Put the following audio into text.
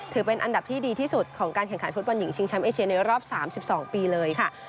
ถือเป็นอันดับที่ดีที่สุดของการแข่งขันฟุตบอลหญิงชิงแชมป์เอเชียในรอบ๓๒ปีเลยค่ะ